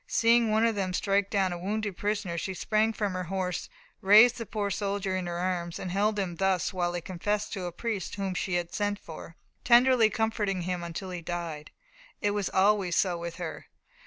Seeing one of them strike down a wounded prisoner she sprang from her horse, raised the poor soldier in her arms, and held him thus while he confessed to a priest whom she had sent for, tenderly comforting him until he died. It was always so with her.